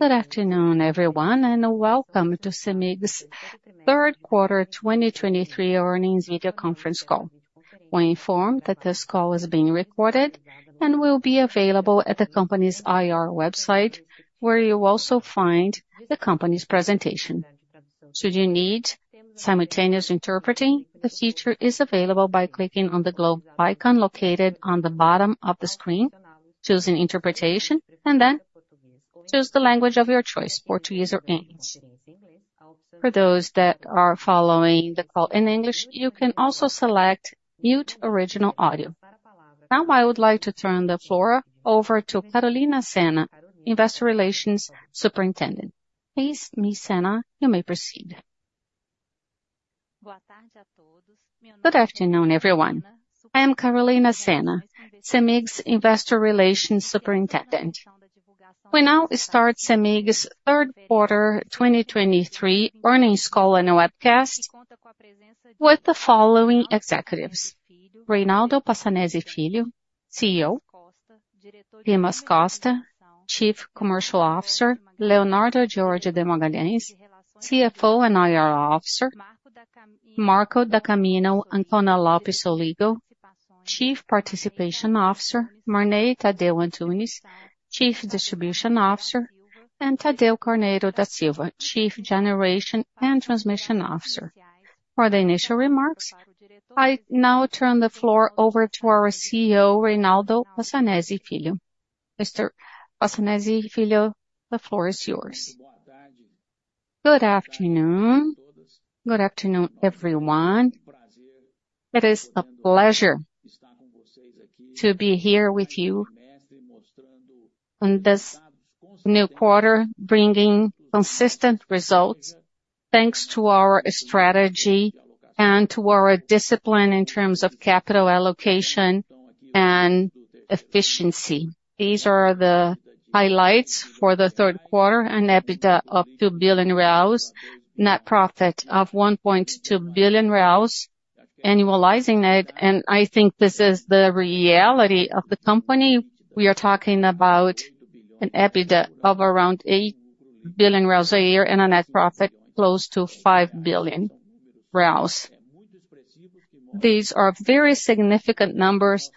Good afternoon, everyone, and welcome to CEMIG's Q3 2023 earnings video conference call. We inform that this call is being recorded and will be available at the company's IR website, where you'll also find the company's presentation. Should you need simultaneous interpreting, the feature is available by clicking on the globe icon located on the bottom of the screen, choosing Interpretation, and then choose the language of your choice, Portuguese or English. For those that are following the call in English, you can also select Mute Original Audio. Now, I would like to turn the floor over to Carolina Senna, Investor Relations Superintendent. Please, Ms. Senna, you may proceed. Good afternoon, everyone. I am Carolina Senna, CEMIG's Investor Relations Superintendent. We now start CEMIG's Q3 2023 earnings call and webcast with the following executives: Reynaldo Passanezi Filho, CEO; Dimas Costa, Chief Commercial Officer; Leonardo George de Magalhães, CFO and IR Officer; Marco da Camino Ancona Lopez Soligo, Chief Participation Officer; Marney Tadeu Antunes, Chief Distribution Officer; and Thadeu Carneiro da Silva, Chief Generation and Transmission Officer. For the initial remarks, I now turn the floor over to our CEO, Reynaldo Passanezi Filho. Mr. Passanezi Filho, the floor is yours. Good afternoon. Good afternoon, everyone. It is a pleasure to be here with you on this new quarter, bringing consistent results, thanks to our strategy and to our discipline in terms of capital allocation and efficiency. These are the highlights for the Q3, an EBITDA of 2 billion reais, net profit of 1.2 billion reais, annualizing it, and I think this is the reality of the company. We are talking about an EBITDA of around 8 billion a year and a net profit close to 5 billion. These are very significant numbers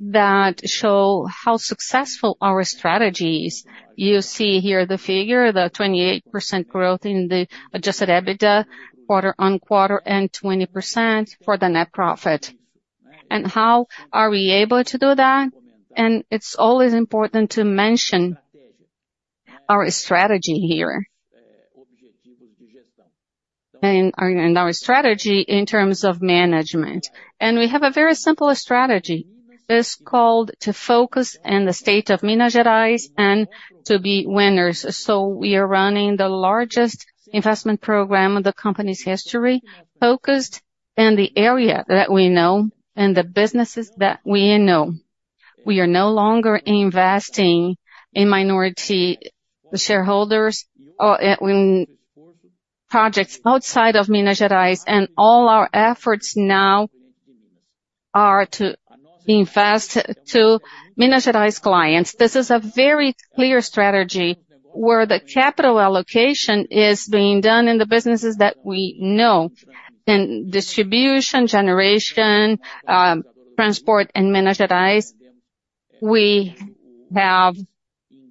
that show how successful our strategy is. You see here the figure, the 28% growth in the adjusted EBITDA, quarter-on-quarter, and 20% for the net profit. And how are we able to do that? And it's always important to mention our strategy here. Our strategy in terms of management. We have a very simple strategy. It's called To Focus in the State of Minas Gerais and To Be Winners. We are running the largest investment program in the company's history, focused in the area that we know and the businesses that we know. We are no longer investing in minority shareholders when projects outside of Minas Gerais, and all our efforts now are to invest to Minas Gerais clients. This is a very clear strategy, where the capital allocation is being done in the businesses that we know. In distribution, generation, transmission in Minas Gerais, we have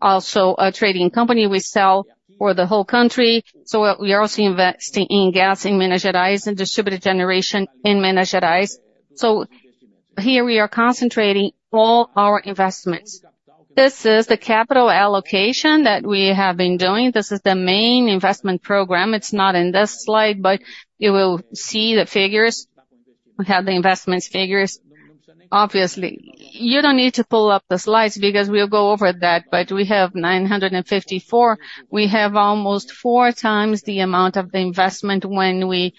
also a trading company. We sell for the whole country, so we are also investing in gas in Minas Gerais and distributed generation in Minas Gerais. Here we are concentrating all our investments. This is the capital allocation that we have been doing. This is the main investment program. It's not in this slide, but you will see the figures. We have the investments figures. Obviously, you don't need to pull up the slides because we'll go over that, but we have 954. We have almost four times the amount of the investment when we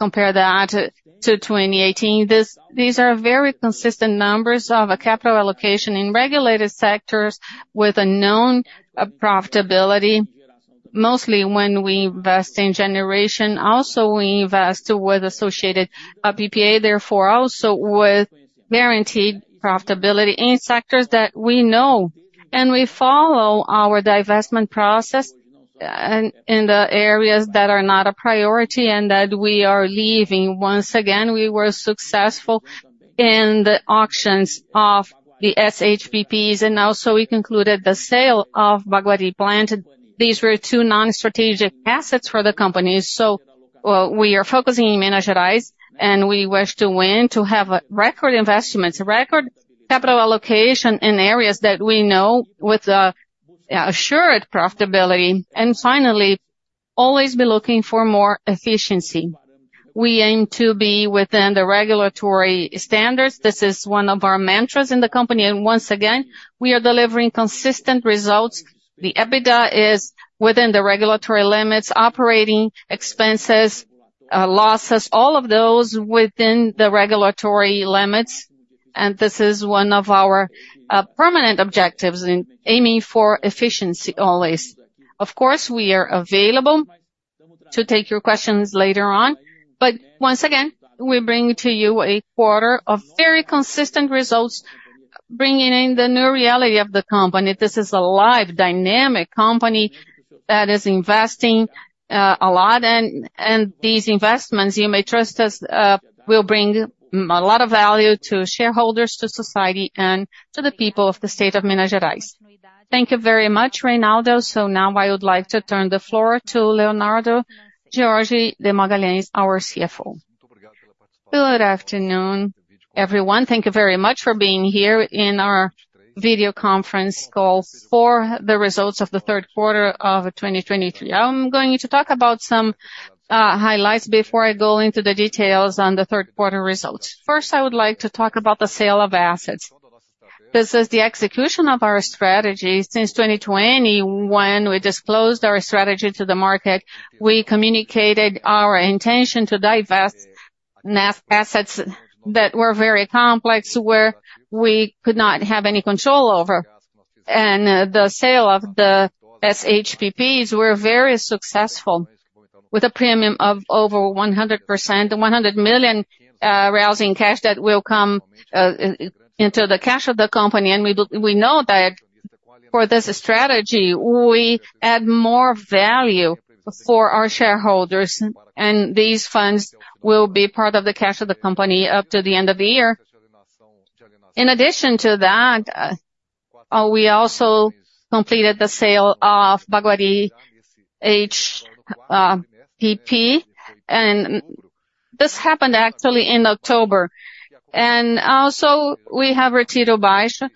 compare that to 2018. These are very consistent numbers of a capital allocation in regulated sectors with a known profitability, mostly when we invest in generation. Also, we invest with associated PPA, therefore, also with guaranteed profitability in sectors that we know. We follow our divestment process in the areas that are not a priority and that we are leaving. Once again, we were successful in the auctions of the SHPPs, and also we concluded the sale of Baguari plant. These were two non-strategic assets for the company, so, we are focusing in Minas Gerais, and we wish to win, to have record investments, record capital allocation in areas that we know with assured profitability. And finally, always be looking for more efficiency. We aim to be within the regulatory standards. This is one of our mantras in the company, and once again, we are delivering consistent results. The EBITDA is within the regulatory limits, operating expenses, losses, all of those within the regulatory limits, and this is one of our permanent objectives in aiming for efficiency always. Of course, we are available to take your questions later on. But once again, we bring to you a quarter of very consistent results, bringing in the new reality of the company. This is a live, dynamic company that is investing a lot and these investments, you may trust us, will bring a lot of value to shareholders, to society, and to the people of the state of Minas Gerais. Thank you very much, Reynaldo. So now I would like to turn the floor to Leonardo George de Magalhães, our CFO. Good afternoon, everyone. Thank you very much for being here in our video conference call for the results of the Q3 of 2023. I'm going to talk about some highlights before I go into the details on the Q3 results. First, I would like to talk about the sale of assets. This is the execution of our strategy. Since 2020, when we disclosed our strategy to the market, we communicated our intention to divest NAF assets that were very complex, where we could not have any control over. And the sale of the SHPPs were very successful, with a premium of over 100%, 100 million in cash that will come into the cash of the company. And we know that for this strategy, we add more value for our shareholders, and these funds will be part of the cash of the company up to the end of the year. In addition to that, we also completed the sale of Baguari HPP, and this happened actually in October. And also, we have Retiro Baixo,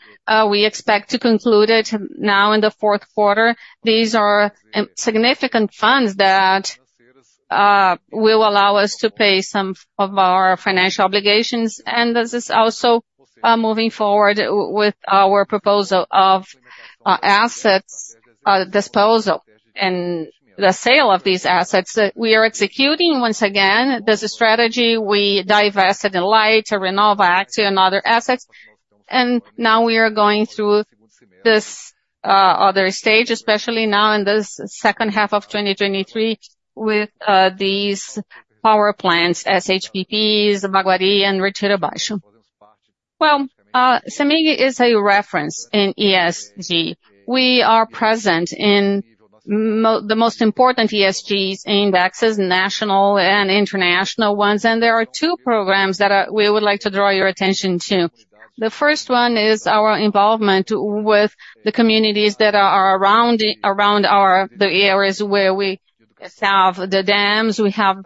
we expect to conclude it now in the Q4. These are significant funds that will allow us to pay some of our financial obligations, and this is also moving forward with our proposal of assets disposal. The sale of these assets, we are executing once again, this strategy. We divested in Light to Renova, Axio and other assets, and now we are going through this other stage, especially now in this second half of 2023, with these power plants, SHPPs, Baguari, and Retiro Baixo. Well, CEMIG is a reference in ESG. We are present in the most important ESG indexes, national and international ones, and there are two programs that we would like to draw your attention to. The first one is our involvement with the communities that are around the areas where we have the dams. We have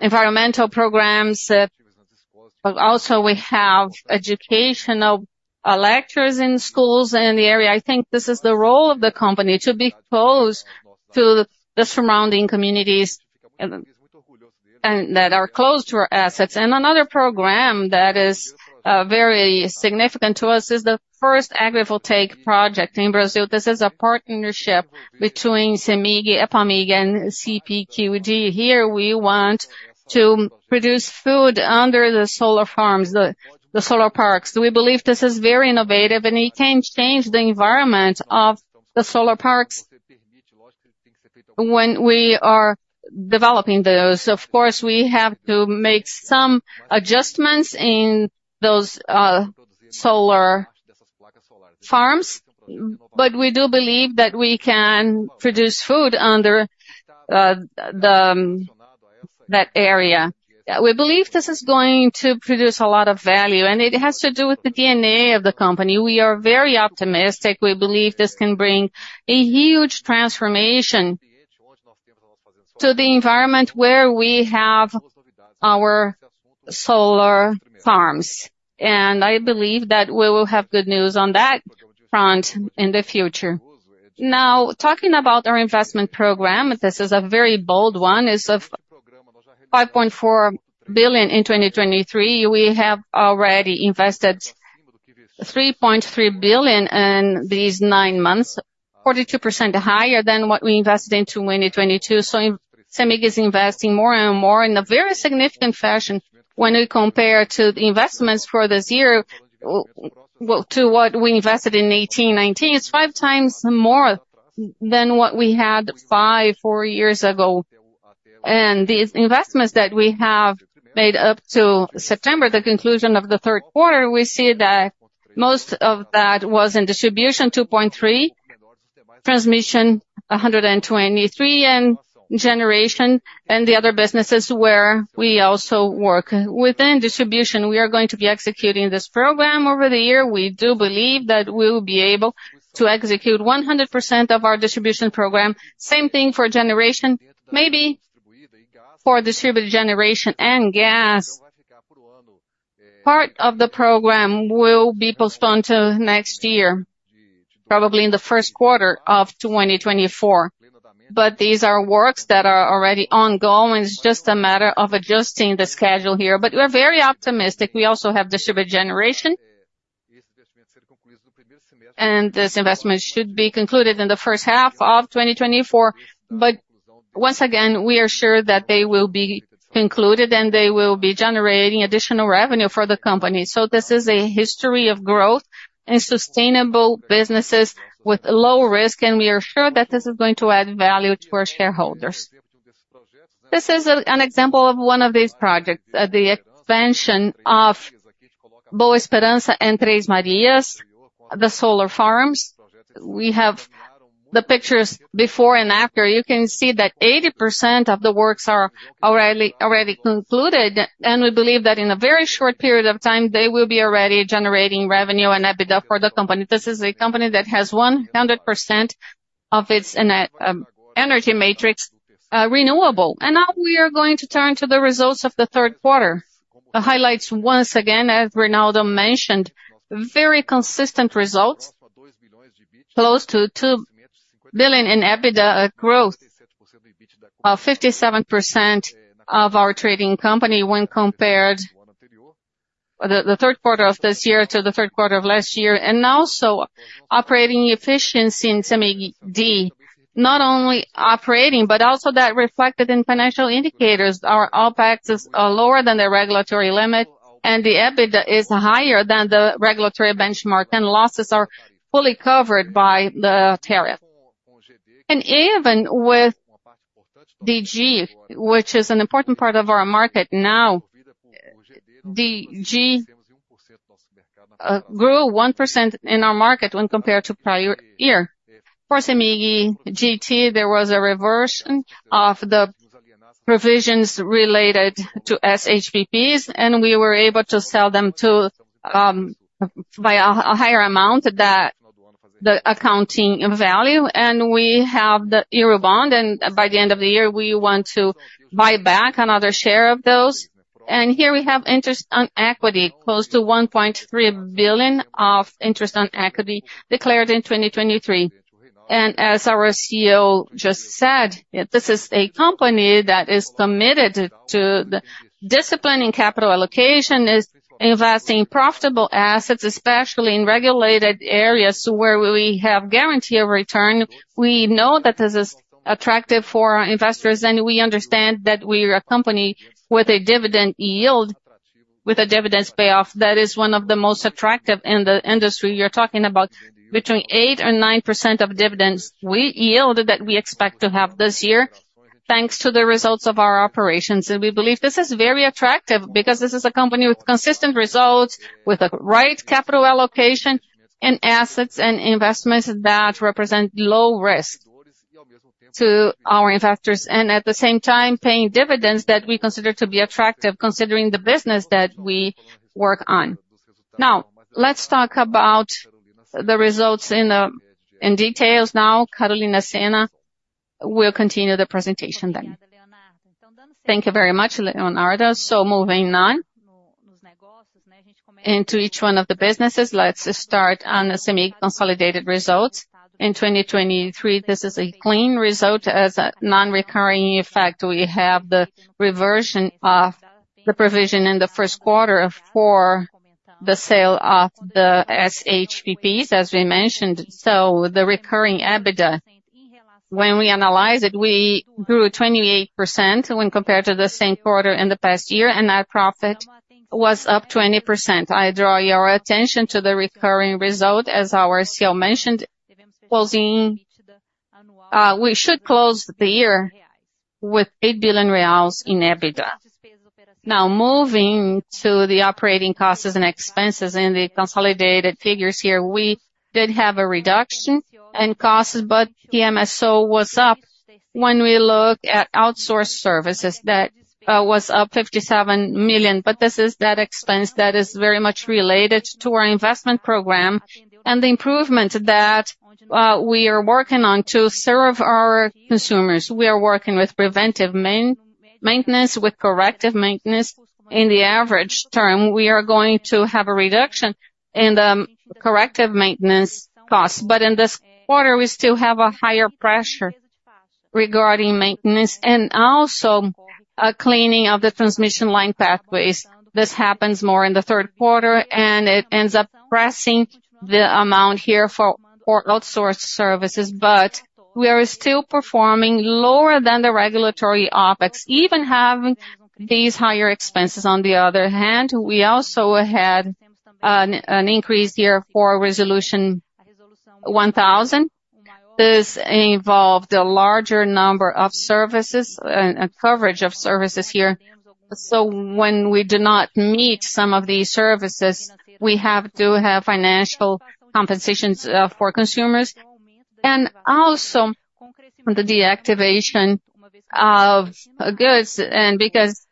environmental programs, but also we have educational lectures in schools and in the area. I think this is the role of the company, to be close to the surrounding communities and that are close to our assets. And another program that is very significant to us is the first agrivoltaic project in Brazil. This is a partnership between CEMIG, EPAMIG, and CPQD. Here, we want to produce food under the solar farms, the solar parks. We believe this is very innovative, and it can change the environment of the solar parks. When we are developing those, of course, we have to make some adjustments in those solar farms, but we do believe that we can produce food under that area. We believe this is going to produce a lot of value, and it has to do with the DNA of the company. We are very optimistic. We believe this can bring a huge transformation to the environment where we have our solar farms, and I believe that we will have good news on that front in the future. Now, talking about our investment program, this is a very bold one. It's 5.4 billion in 2023. We have already invested 3.3 billion in these nine months, 42% higher than what we invested in 2022. So CEMIG is investing more and more in a very significant fashion when we compare to the investments for this year, well, to what we invested in 2018, 2019. It's five times more than what we had five, four years ago. These investments that we have made up to September, the conclusion of the Q3, we see that most of that was in distribution, 2.3, transmission, 123, and generation, and the other businesses where we also work. Within distribution, we are going to be executing this program over the year. We do believe that we will be able to execute 100% of our distribution program. Same thing for generation, maybe for distributed generation and gas. Part of the program will be postponed to next year, probably in the Q1 of 2024. But these are works that are already ongoing. It's just a matter of adjusting the schedule here, but we're very optimistic. We also have distributed generation, and this investment should be concluded in the first half of 2024. But once again, we are sure that they will be concluded, and they will be generating additional revenue for the company. So this is a history of growth and sustainable businesses with low risk, and we are sure that this is going to add value to our shareholders. This is an example of one of these projects, the expansion of Boa Esperança and Três Marias, the solar farms. We have the pictures before and after. You can see that 80% of the works are already, already concluded, and we believe that in a very short period of time, they will be already generating revenue and EBITDA for the company. This is a company that has 100% of its energy matrix, renewable. And now we are going to turn to the results of the Q3. The highlights once again, as Reynaldo mentioned, very consistent results, close to 2 billion in EBITDA growth, 57% of our trading company when compared the Q3 of this year to the Q3 of last year. Also operating efficiency in CEMIG D. Not only operating, but also that reflected in financial indicators, our OPEX is lower than the regulatory limit, and the EBITDA is higher than the regulatory benchmark, and losses are fully covered by the tariff. Even with DG, which is an important part of our market now, DG grew 1% in our market when compared to prior year. For CEMIG GT, there was a reversion of the provisions related to SHPPs, and we were able to sell them to by a higher amount that the accounting value. We have the Eurobond, and by the end of the year, we want to buy back another share of those. Here we have interest on equity, close to 1.3 billion of interest on equity declared in 2023. As our CEO just said, this is a company that is committed to the discipline in capital allocation, is investing profitable assets, especially in regulated areas where we have guarantee of return. We know that this is attractive for our investors, and we understand that we're a company with a dividend yield, with a dividends payoff that is one of the most attractive in the industry. You're talking about between 8%-9% of dividends we yield that we expect to have this year, thanks to the results of our operations. We believe this is very attractive because this is a company with consistent results, with the right capital allocation and assets and investments that represent low risk to our investors, and at the same time, paying dividends that we consider to be attractive, considering the business that we work on. Now, let's talk about the results in details. Now, Carolina Senna will continue the presentation then. Thank you very much, Leonardo. So moving on into each one of the businesses, let's start on the CEMIG consolidated results. In 2023, this is a clean result. As a non-recurring effect, we have the reversion of the provision in the Q1 for the sale of the SHPPs, as we mentioned. So the recurring EBITDA, when we analyze it, we grew 28% when compared to the same quarter in the past year, and our profit was up 20%. I draw your attention to the recurring result, as our CEO mentioned, closing, we should close the year with 8 billion reais in EBITDA. Now, moving to the operating costs and expenses in the consolidated figures here, we did have a reduction in costs, but the MSO was up when we look at outsource services. That was up 57 million, but this is that expense that is very much related to our investment program and the improvement that we are working on to serve our consumers. We are working with preventive maintenance, with corrective maintenance. In the average term, we are going to have a reduction in corrective maintenance costs. But in this quarter, we still have a higher pressure regarding maintenance and also a cleaning of the transmission line pathways. This happens more in the Q3, and it ends up pressing the amount here for outsourced services, but we are still performing lower than the regulatory OPEX, even having these higher expenses. On the other hand, we also had an increase here for Resolution 1000. This involved a larger number of services and coverage of services here. So when we do not meet some of these services, we have to have financial compensations for consumers, and also the deactivation of goods. And because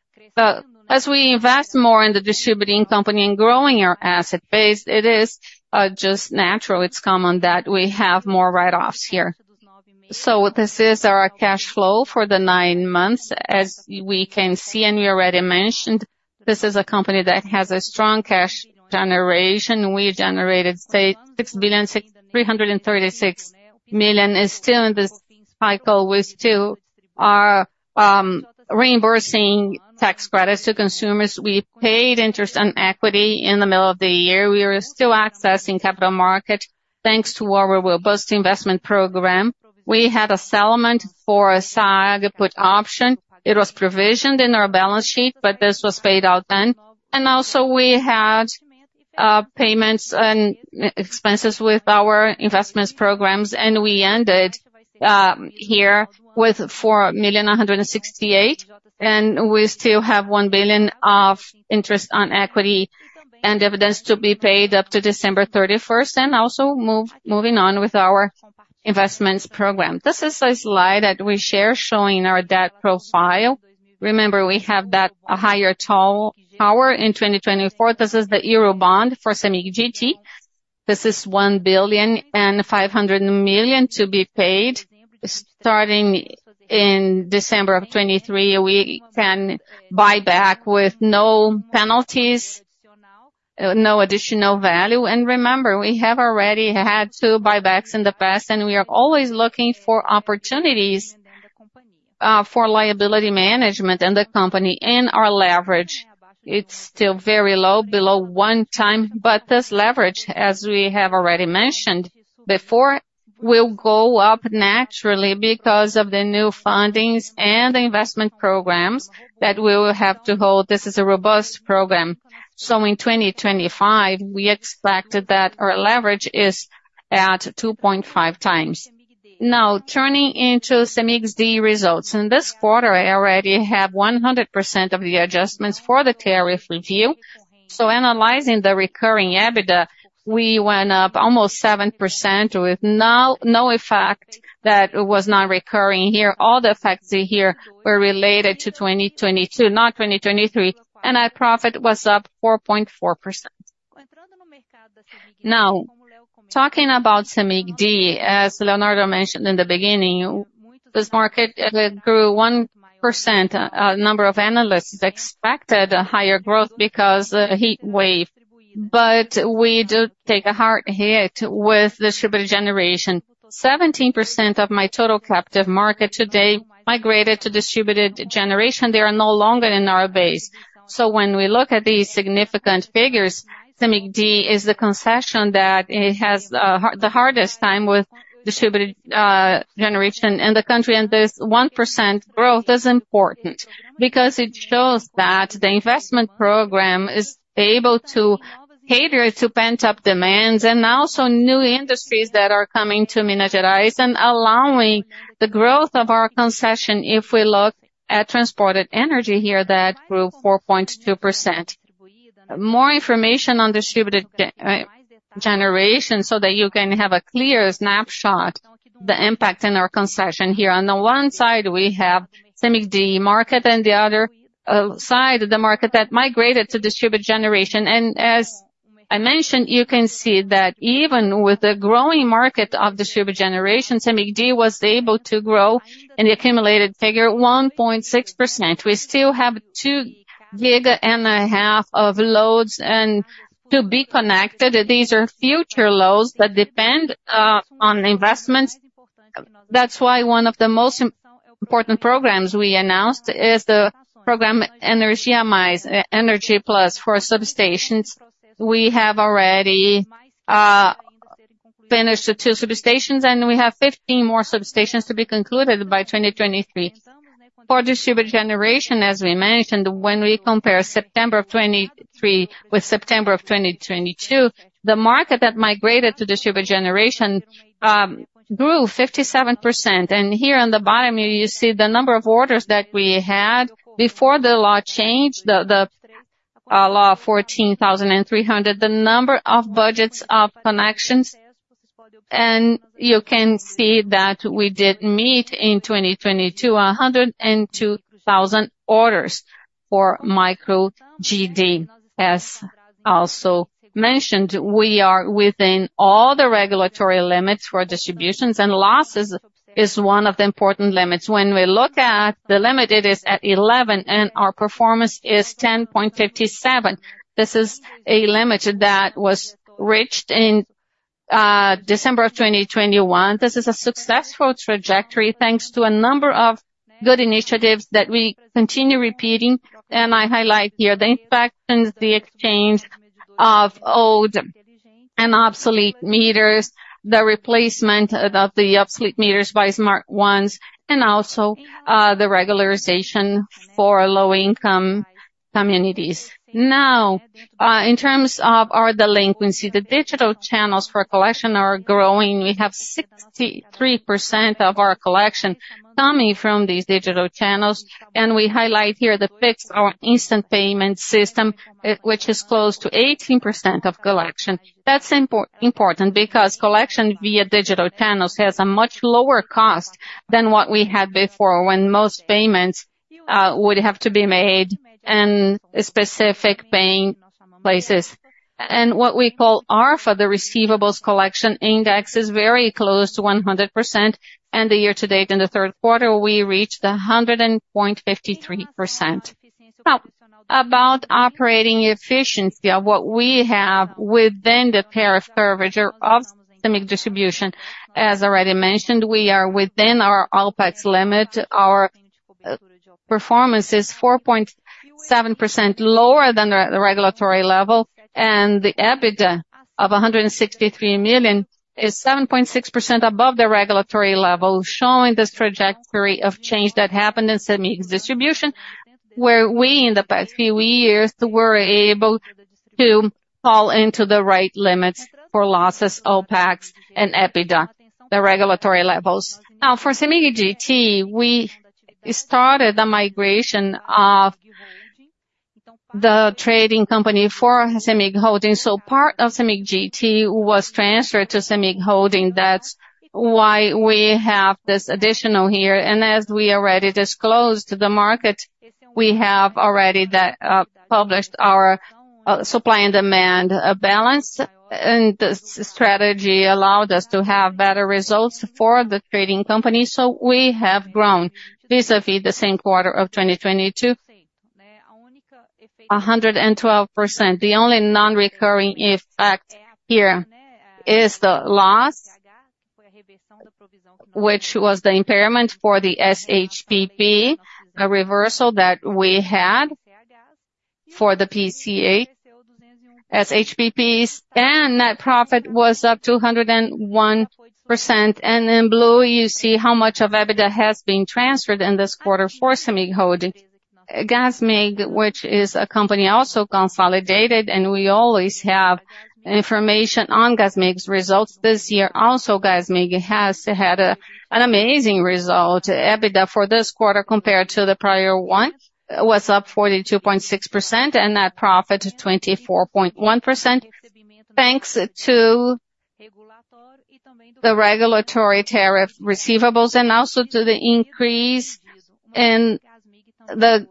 as we invest more in the distribution company and growing our asset base, it is just natural, it's common that we have more write-offs here. So this is our cash flow for the nine months. As we can see, and we already mentioned, this is a company that has a strong cash generation. We generated, say, 6.336 billion, and still in this cycle, we still are reimbursing tax credits to consumers. We paid interest on equity in the middle of the year. We are still accessing capital market, thanks to our robust investment program. We had a settlement for a SAG put option. It was provisioned in our balance sheet, but this was paid out then. And also, we had payments and expenses with our investments programs, and we ended here with 4.168 million, and we still have 1 billion of interest on equity and dividends to be paid up to December thirty-first, and also moving on with our investments program. This is a slide that we share, showing our debt profile. Remember, we have that higher toll tower in 2024. This is the Eurobond for CEMIG GT. This is $1.5 billion to be paid, starting in December 2023. We can buy back with no penalties, no additional value. And remember, we have already had two buybacks in the past, and we are always looking for opportunities, for liability management in the company. And our leverage, it's still very low, below 1x. But this leverage, as we have already mentioned before, will go up naturally because of the new fundings and the investment programs that we will have to hold. This is a robust program. So in 2025, we expected that our leverage is at 2.5x. Now, turning to CEMIG D results. In this quarter, I already have 100% of the adjustments for the tariff review. So analyzing the recurring EBITDA, we went up almost 7%, with no, no effect that was not recurring here. All the effects here were related to 2022, not 2023, and our profit was up 4.4%. Now, talking about CEMIG D, as Leonardo mentioned in the beginning, this market grew 1%. A number of analysts expected a higher growth because of the heat wave, but we did take a hard hit with distributed generation. 17% of my total captive market today migrated to distributed generation. They are no longer in our base. So when we look at these significant figures, CEMIG D is the concession that it has the hardest time with distributed generation in the country. This 1% growth is important because it shows that the investment program is able to cater to pent-up demands and also new industries that are coming to Minas Gerais and allowing the growth of our concession. If we look at transported energy here, that grew 4.2%. More information on distributed generation so that you can have a clear snapshot, the impact in our concession here. On the one side, we have CEMIG D market, and the other side, the market that migrated to distributed generation. And as I mentioned, you can see that even with the growing market of distributed generation, CEMIG D was able to grow an accumulated figure, 1.6%. We still have 2.5 giga of loads to be connected. These are future loads that depend on investments. That's why one of the most important programs we announced is the program Energia Mais, Energy Plus, for substations. We have already finished the two substations, and we have 15 more substations to be concluded by 2023. For distributed generation, as we mentioned, when we compare September 2023 with September 2022, the market that migrated to distributed generation grew 57%. And here on the bottom, you see the number of orders that we had before the law changed, the Law 14,300, the number of budgets of connections, and you can see that we did meet in 2022, 102,000 orders for micro GD. As also mentioned, we are within all the regulatory limits for distributions, and losses is one of the important limits. When we look at the limit, it is at 11, and our performance is 10.57. This is a limit that was reached in December of 2021. This is a successful trajectory, thanks to a number of good initiatives that we continue repeating, and I highlight here the impact and the exchange of old and obsolete meters, the replacement of the obsolete meters by smart ones, and also the regularization for low-income communities. Now, in terms of our delinquency, the digital channels for collection are growing. We have 63% of our collection coming from these digital channels, and we highlight here the Pix, our instant payment system, which is close to 18% of collection. That's important because collection via digital channels has a much lower cost than what we had before, when most payments would have to be made in specific bank places. What we call RFA, the Receivables Collection Index, is very close to 100%, and year-to-date, in the Q3, we reached 100.53%. Now, about operating efficiency of what we have within the area of coverage of CEMIG distribution. As already mentioned, we are within our OPEX limit. Our performance is 4.7% lower than the regulatory level, and the EBITDA- Of 163 million is 7.6% above the regulatory level, showing this trajectory of change that happened in CEMIG's distribution, where we, in the past few years, were able to fall into the right limits for losses, OPEX, and EBITDA, the regulatory levels. Now, for CEMIG GT, we started the migration of the trading company for CEMIG Holding. So part of CEMIG GT was transferred to CEMIG Holding. That's why we have this additional here. And as we already disclosed to the market, we have already the published our supply and demand balance. And this strategy allowed us to have better results for the trading company. So we have grown vis-à-vis the same quarter of 2022, 112%. The only non-recurring effect here is the loss, which was the impairment for the SHPP, a reversal that we had for the PCA. As SHPPs and net profit was up to 201%. In blue, you see how much of EBITDA has been transferred in this quarter for CEMIG Holding. Gasmig, which is a company also consolidated, and we always have information on Gasmig's results. This year, also, Gasmig has had an amazing result. EBITDA for this quarter, compared to the prior one, was up 42.6%, and net profit, 24.1%, thanks to the regulatory tariff receivables and also to the increase in the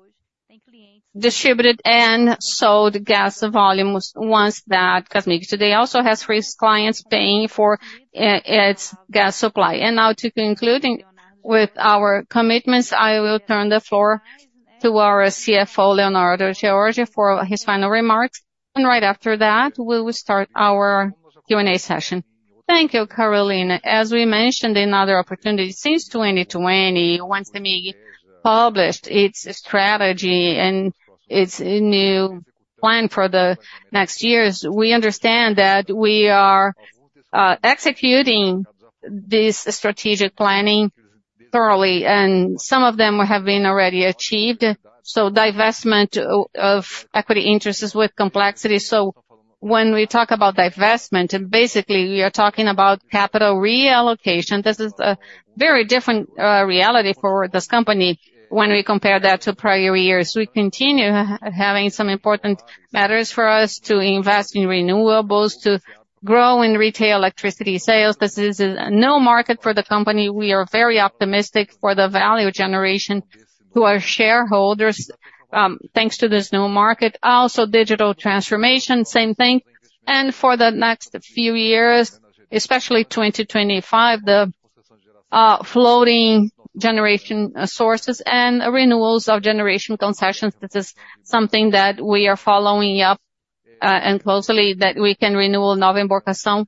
distributed and sold gas volumes, ones that Gasmig today also has raised clients paying for its gas supply. Now, to concluding with our commitments, I will turn the floor to our CFO, Leonardo George, for his final remarks. Right after that, we will start our Q&A session. Thank you, Carolina. As we mentioned in other opportunities, since 2020, once CEMIG published its strategy and its new plan for the next years, we understand that we are executing this strategic planning thoroughly, and some of them have been already achieved. Divestment of equity interests is with complexity. When we talk about divestment, basically, we are talking about capital reallocation. This is a very different reality for this company when we compare that to prior years. We continue having some important matters for us to invest in renewables, to grow in retail electricity sales. This is a new market for the company. We are very optimistic for the value generation to our shareholders, thanks to this new market. Also, digital transformation, same thing. For the next few years, especially 2025, the floating generation sources and renewals of generation concessions, this is something that we are following up and closely, that we can renew Nova Boa Esperança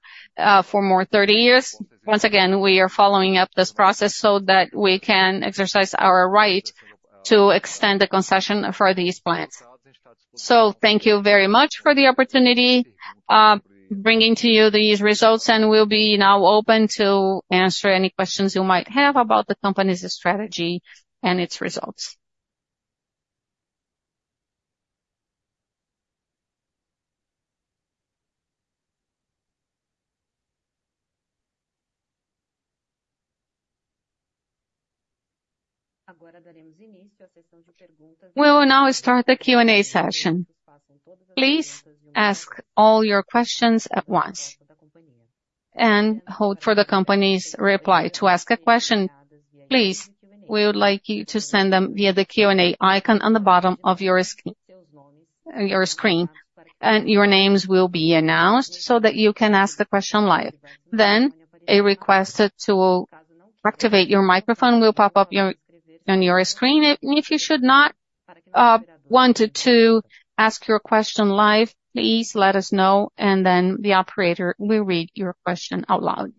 for more 30 years. Once again, we are following up this process so that we can exercise our right to extend the concession for these plants. Thank you very much for the opportunity, bringing to you these results, and we'll be now open to answer any questions you might have about the company's strategy and its results. We will now start the Q&A session. Please ask all your questions at once and hold for the company's reply. To ask a question, please, we would like you to send them via the Q&A icon on the bottom of your screen, and your names will be announced so that you can ask the question live. Then, a request to activate your microphone will pop up on your screen. If you should not want to ask your question live, please let us know, and then the operator will read your question out loud.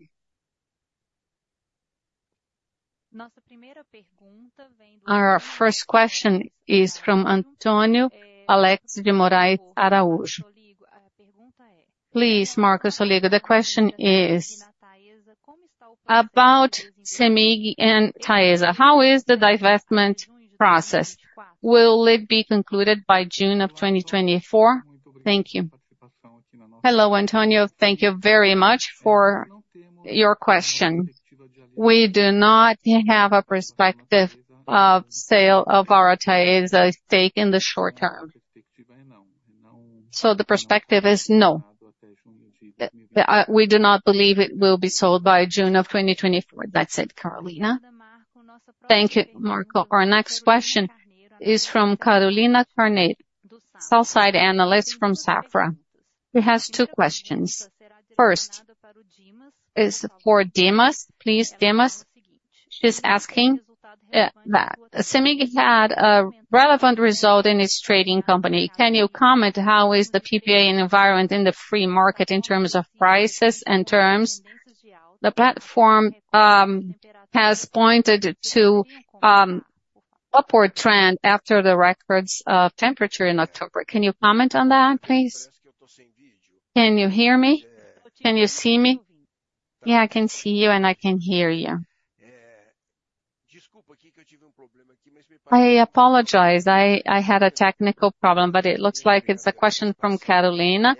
Our first question is from Antonio Alex de Moraes Araujo. Please, Marco Soligo, the question is, about CEMIG and TAESA, how is the divestment process? Will it be concluded by June of 2024? Thank you. Hello, Antonio. Thank you very much for your question. We do not have a perspective of sale of our TAESA stake in the short term. So the perspective is no. We do not believe it will be sold by June of 2024. That's it, Carolina. Thank you, Marco. Our next question is from Carolina Carneiro, sell-side analyst from Safra, who has two questions. First, is for Dimas. Please, Dimas. She's asking, that CEMIG had a relevant result in its trading company. Can you comment how is the PPA environment in the free market in terms of prices and terms? The platform has pointed to upward trend after the records of temperature in October. Can you comment on that, please? Can you hear me? Can you see me? Yeah, I can see you and I can hear you. I apologize, I had a technical problem, but it looks like it's a question from Carolina.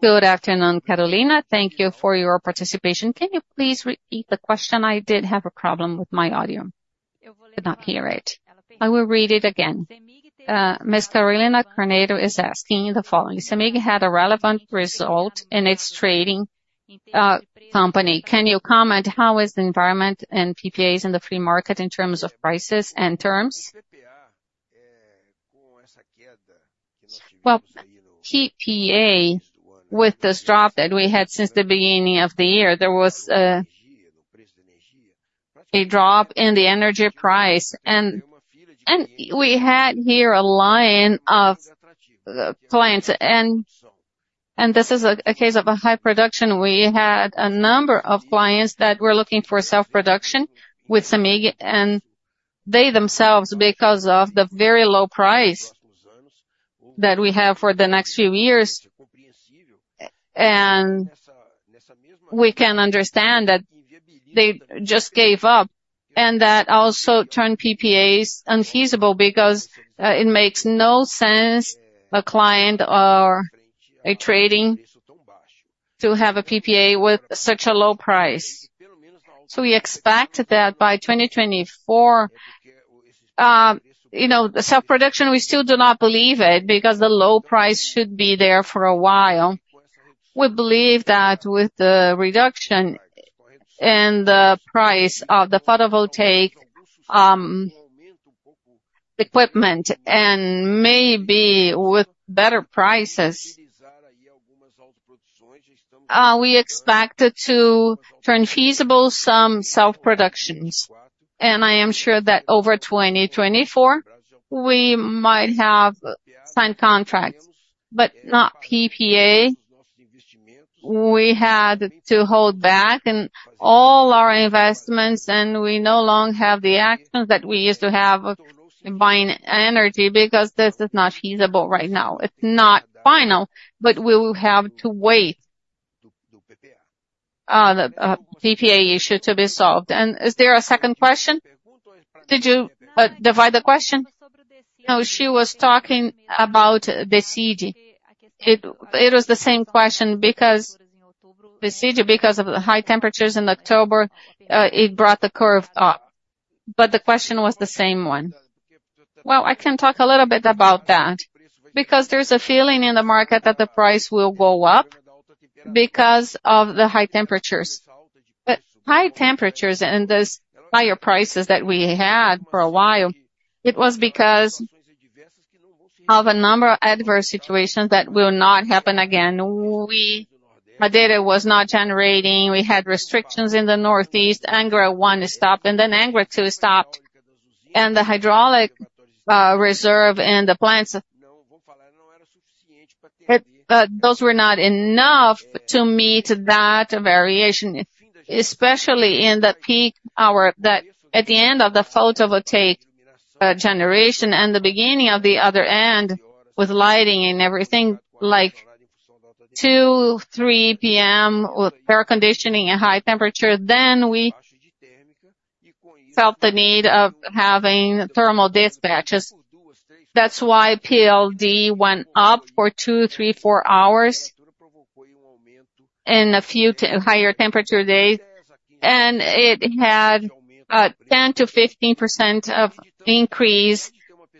Good afternoon, Carolina. Thank you for your participation. Can you please repeat the question? I did have a problem with my audio. Could not hear it. I will read it again. Miss Carolina Carneiro is asking the following: CEMIG had a relevant result in its trading company. Can you comment how is the environment and PPAs in the free market in terms of prices and terms? Well, PPA, with this drop that we had since the beginning of the year, there was a drop in the energy price and we had here a line of clients and this is a case of a high production. We had a number of clients that were looking for self-production with CEMIG, and they themselves, because of the very low price that we have for the next few years, and we can understand that they just gave up, and that also turned PPAs unfeasible because it makes no sense, a client or a trading to have a PPA with such a low price. So we expect that by 2024, you know, the self-production, we still do not believe it, because the low price should be there for a while. We believe that with the reduction in the price of the photovoltaic equipment, and maybe with better prices, we expect it to turn feasible some self-productions. And I am sure that over 2024, we might have signed contracts, but not PPA. We had to hold back in all our investments, and we no longer have the actions that we used to have of buying energy, because this is not feasible right now. It's not final, but we will have to wait the PPA issue to be solved. And is there a second question? Did you divide the question? No, she was talking about the CG. It was the same question, because the CG, because of the high temperatures in October, it brought the curve up. But the question was the same one. Well, I can talk a little bit about that, because there's a feeling in the market that the price will go up because of the high temperatures. But high temperatures and those higher prices that we had for a while, it was because of a number of adverse situations that will not happen again. We, Madeira was not generating, we had restrictions in the northeast, Angra 1 stopped, and then Angra 2 stopped. The hydraulic reserve and the plants, those were not enough to meet that variation, especially in the peak hour, that at the end of the photovoltaic generation and the beginning of the other end, with lighting and everything, like 2-3 P.M., with air conditioning and high temperature, then we felt the need of having thermal dispatches. That's why PLD went up for two, three, four hours in a few higher temperature days, and it had a 10%-15% increase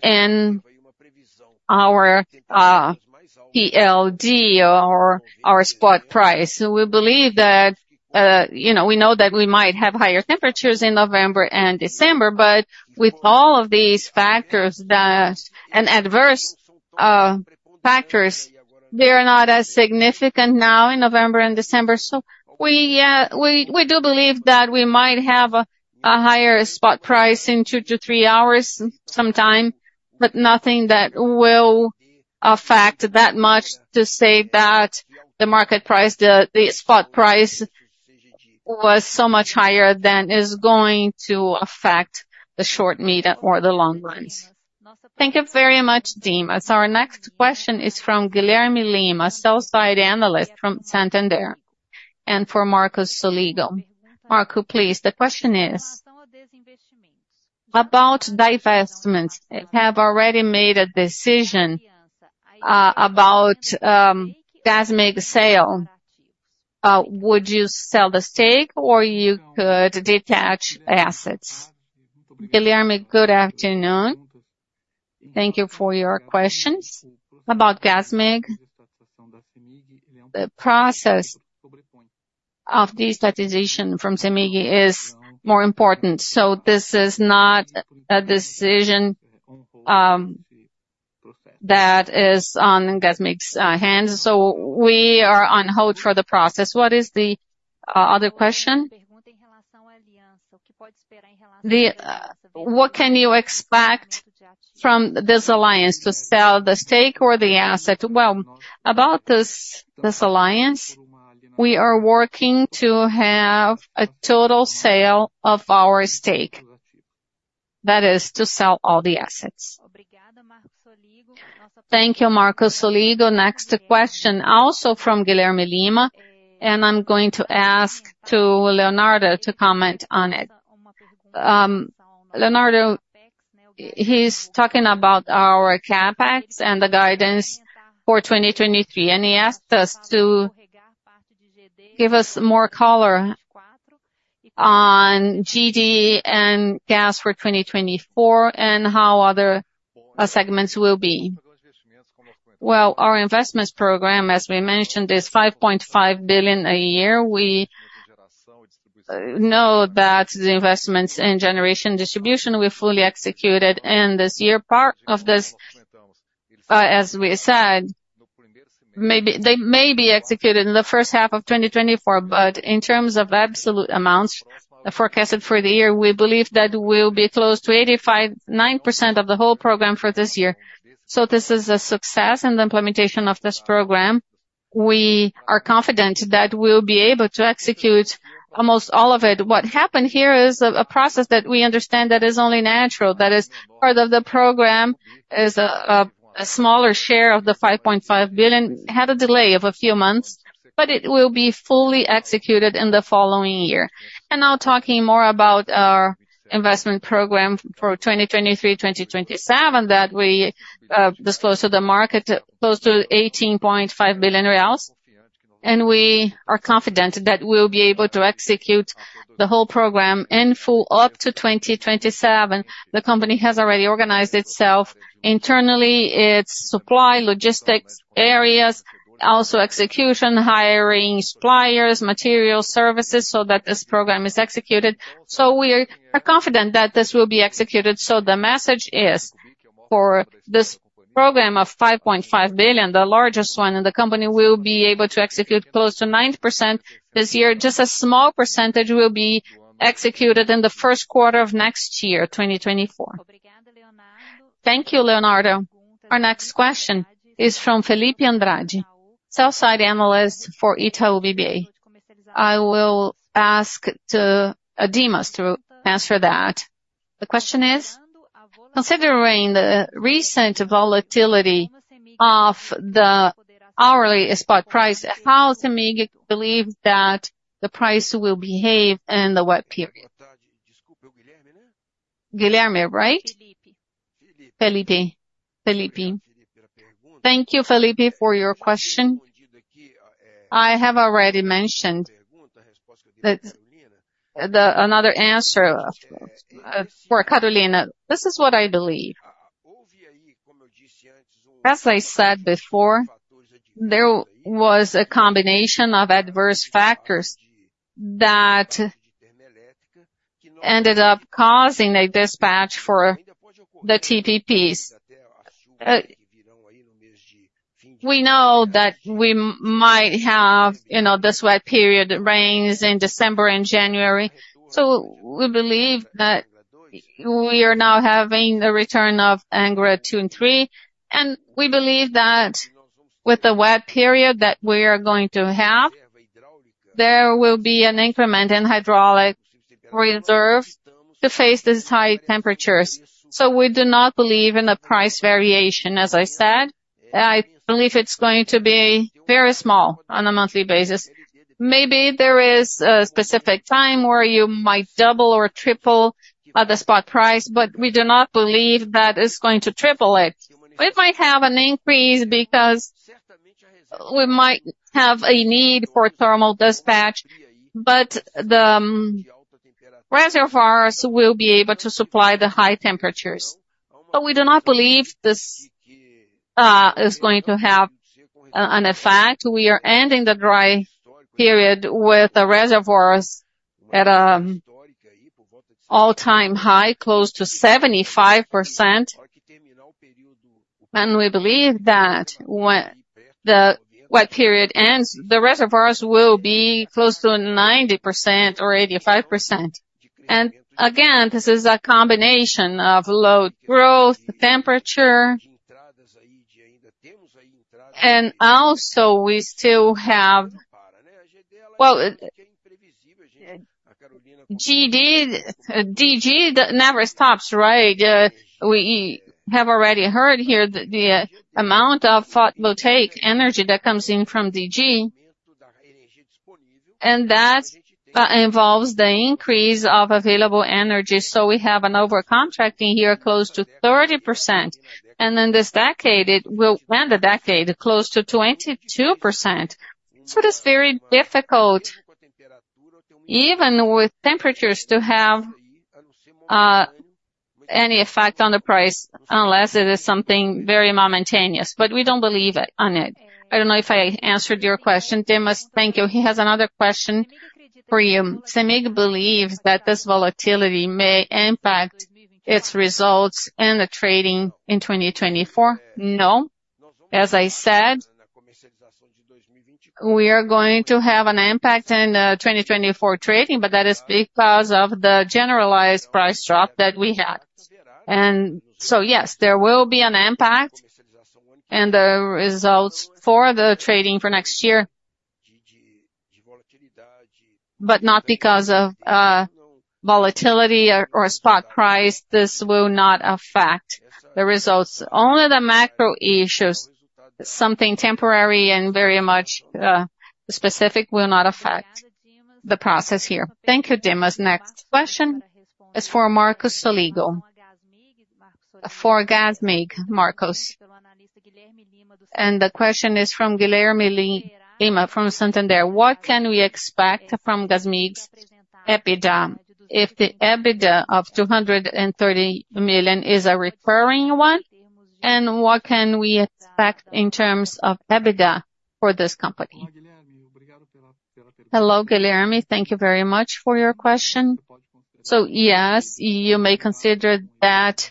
in our PLD or our spot price. So we believe that, you know, we know that we might have higher temperatures in November and December, but with all of these factors that and adverse factors, they are not as significant now in November and December. So we do believe that we might have a higher spot price in two to three hours, sometime, but nothing that will affect that much to say that the market price, the spot price was so much higher than is going to affect the short, medium, or the long runs. Thank you very much, Dima. So our next question is from Guilherme Lima, a sell-side analyst from Santander, and for Marco Soligo. Marco, please, the question is: About divestments, have already made a decision, about Gasmig sale. Would you sell the stake or you could detach assets? Guilherme, good afternoon. Thank you for your questions. About Gasmig, the process of this strategization from CEMIG is more important, so this is not a decision that is on Gasmig's hands. So we are on hold for the process. What is the other question? The what can you expect from this alliance, to sell the stake or the asset? Well, about this alliance. We are working to have a total sale of our stake. That is, to sell all the assets. Thank you, Marco Soligo. Next question, also from Guilherme Lima, and I'm going to ask to Leonardo to comment on it. Leonardo, he's talking about our CapEx and the guidance for 2023, and he asked us to give us more color on GD and gas for 2024, and how other segments will be. Well, our investments program, as we mentioned, is 5.5 billion a year. We know that the investments in generation distribution were fully executed, and this year, part of this, as we said, maybe- they may be executed in the first half of 2024. But in terms of absolute amounts forecasted for the year, we believe that we'll be close to 85.9% of the whole program for this year. So this is a success in the implementation of this program. We are confident that we'll be able to execute almost all of it. What happened here is a process that we understand that is only natural. That is, part of the program is a smaller share of the 5.5 billion, had a delay of a few months, but it will be fully executed in the following year. Now talking more about our investment program for 2023-2027, that we disclosed to the market, close to 18.5 billion reais, and we are confident that we'll be able to execute the whole program in full, up to 2027. The company has already organized itself internally, its supply, logistics areas, also execution, hiring suppliers, material, services, so that this program is executed. So we are confident that this will be executed. So the message is, for this program of 5.5 billion, the largest one, and the company will be able to execute close to 90% this year. Just a small percentage will be executed in the Q1 of next year, 2024. Thank you, Leonardo. Our next question is from Filipe Andrade, sell-side analyst for Itaú BBA. I will ask to Dimas to answer that. The question is: Considering the recent volatility of the hourly spot price, how CEMIG believe that the price will behave in the wet period? Guilherme, right? Filipe. Filipe. Thank you, Filipe, for your question. I have already mentioned that another answer for Carolina. This is what I believe. As I said before, there was a combination of adverse factors that ended up causing a dispatch for the TPPs. We know that we might have, you know, this wet period rains in December and January. So we believe that we are now having a return of Angra Two and Three, and we believe that with the wet period that we are going to have, there will be an increment in hydraulic reserve to face these high temperatures. So we do not believe in a price variation, as I said. I believe it's going to be very small on a monthly basis. Maybe there is a specific time where you might double or triple the spot price, but we do not believe that it's going to triple it. We might have an increase because we might have a need for thermal dispatch, but the reservoirs will be able to supply the high temperatures. But we do not believe this is going to have an effect. We are ending the dry period with the reservoirs at all-time high, close to 75%. And we believe that when the wet period ends, the reservoirs will be close to 90% or 85%. And again, this is a combination of load growth, temperature, and also we still have. Well, GD, DG never stops, right? We have already heard here that the amount of photovoltaic energy that comes in from DG, and that involves the increase of available energy. So we have an over-contracting year, close to 30%, and in this decade, it will end the decade close to 22%. So it is very difficult, even with temperatures, to have any effect on the price, unless it is something very momentaneous, but we don't believe it, on it. I don't know if I answered your question, Dimas. Thank you. He has another question for you. CEMIG believes that this volatility may impact its results and the trading in 2024? No. As I said, we are going to have an impact in 2024 trading, but that is because of the generalized price drop that we had. Yes, there will be an impact. And the results for the trading for next year, but not because of volatility or spot price, this will not affect the results. Only the macro issues, something temporary and very much specific, will not affect the process here. Thank you, Dimas. Next question is for Marco Soligo. For Gasmig, Marco. And the question is from Guilherme Lima, from Santander: What can we expect from Gasmig's EBITDA, if the EBITDA of 230 million is a recurring one? And what can we expect in terms of EBITDA for this company? Hello, Guilherme. Thank you very much for your question. Yes, you may consider that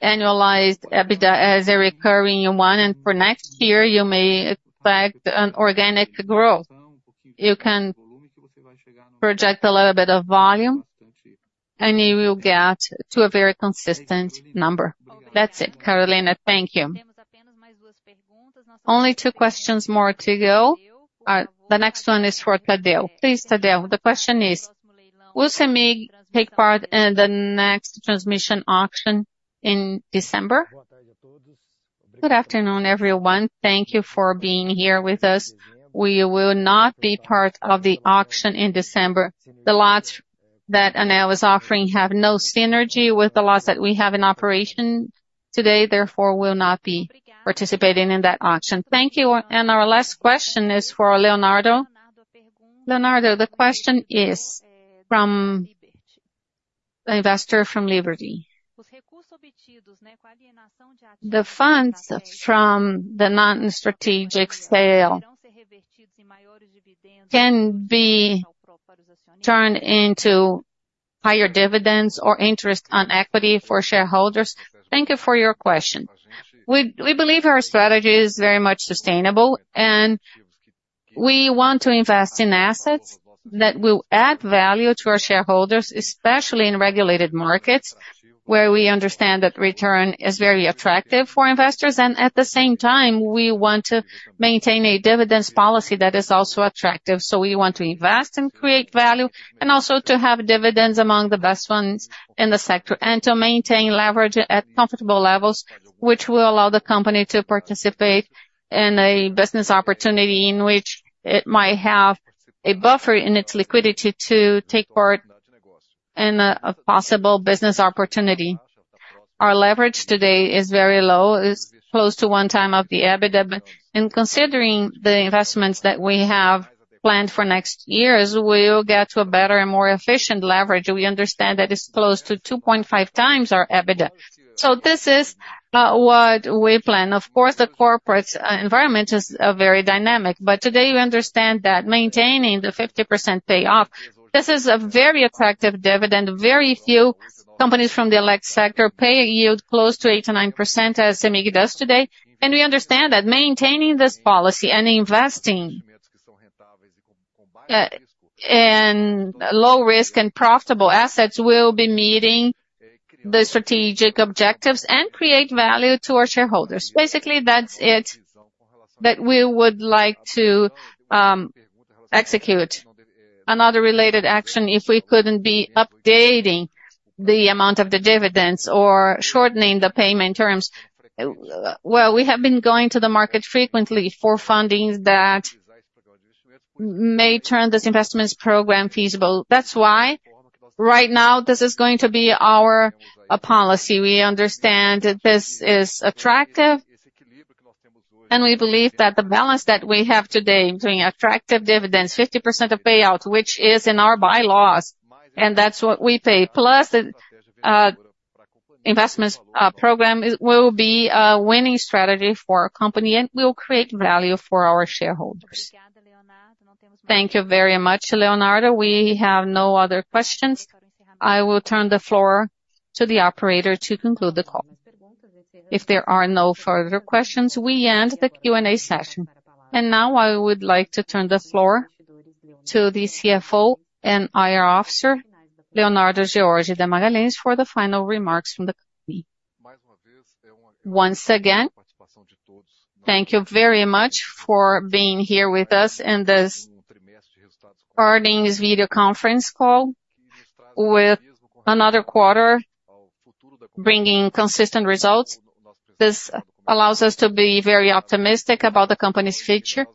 annualized EBITDA as a recurring one, and for next year, you may expect an organic growth. You can project a little bit of volume, and you will get to a very consistent number. That's it, Carolina. Thank you. Only two questions more to go. The next one is for Tadeu. Please, Tadeu, the question is: Will CEMIG take part in the next transmission auction in December? Good afternoon, everyone. Thank you for being here with us. We will not be part of the auction in December. The lots that Ana is offering have no synergy with the lots that we have in operation today, therefore, will not be participating in that auction. Thank you, and our last question is for Leonardo. Leonardo, the question is from an investor from Liberty. The funds from the non-strategic sale can be turned into higher dividends or interest on equity for shareholders? Thank you for your question. We believe our strategy is very much sustainable, and we want to invest in assets that will add value to our shareholders, especially in regulated markets, where we understand that return is very attractive for investors. At the same time, we want to maintain a dividends policy that is also attractive. We want to invest and create value, and also to have dividends among the best ones in the sector, and to maintain leverage at comfortable levels, which will allow the company to participate in a business opportunity in which it might have a buffer in its liquidity to take part in a possible business opportunity. Our leverage today is very low. It's close to 1x the EBITDA. Considering the investments that we have planned for next years, we'll get to a better and more efficient leverage. We understand that it's close to 2.5 times our EBITDA. So this is what we plan. Of course, the corporate environment is very dynamic, but today you understand that maintaining the 50% payout, this is a very attractive dividend. Very few companies from the electric sector pay a yield close to 8%-9%, as CEMIG does today. And we understand that maintaining this policy and investing in low risk and profitable assets will be meeting the strategic objectives and create value to our shareholders. Basically, that's it, that we would like to execute. Another related action, if we couldn't be updating the amount of the dividends or shortening the payment terms, well, we have been going to the market frequently for fundings that may turn this investments program feasible. That's why right now, this is going to be our policy. We understand that this is attractive, and we believe that the balance that we have today between attractive dividends, 50% of payout, which is in our bylaws, and that's what we pay. Plus, the investments program will be a winning strategy for our company, and will create value for our shareholders. Thank you very much, Leonardo. We have no other questions. I will turn the floor to the operator to conclude the call. If there are no further questions, we end the Q&A session. And now, I would like to turn the floor to the CFO and IR Officer, Leonardo George de Magalhães, for the final remarks from the company. Once again, thank you very much for being here with us in this earnings video conference call. With another quarter bringing consistent results, this allows us to be very optimistic about the company's future.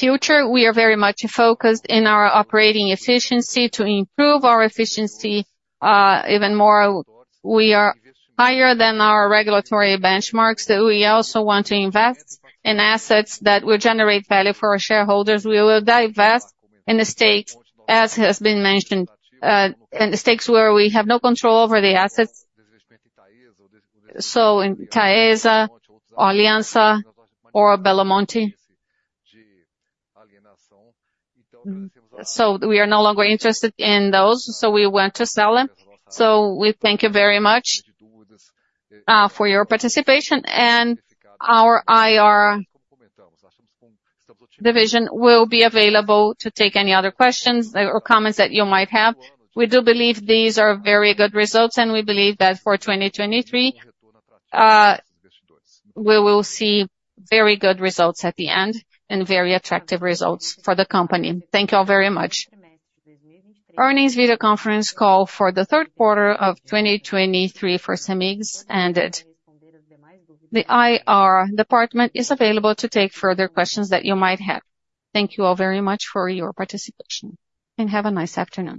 We are very much focused in our operating efficiency to improve our efficiency even more. We are higher than our regulatory benchmarks. We also want to invest in assets that will generate value for our shareholders. We will divest in the state, as has been mentioned, in the stakes where we have no control over the assets. So in Taesa, Aliança, or Belo Monte. So we are no longer interested in those, so we want to sell them. So we thank you very much for your participation and our IR division will be available to take any other questions or comments that you might have. We do believe these are very good results, and we believe that for 2023, we will see very good results at the end and very attractive results for the company. Thank you all very much. Earnings video conference call for the Q3 of 2023 for CEMIG's ended. The IR department is available to take further questions that you might have. Thank you all very much for your participation, and have a nice afternoon.